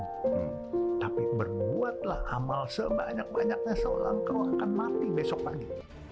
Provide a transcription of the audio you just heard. tapi berbuatlah amal sebanyak banyaknya seolah engkau akan mati besok pagi